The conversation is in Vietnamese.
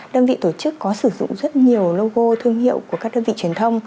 đơn vị tổ chức có sử dụng rất nhiều logo thương hiệu của các đơn vị truyền thông